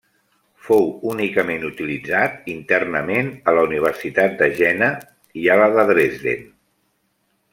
Fou únicament utilitzat internament a la Universitat de Jena i a la de Dresden.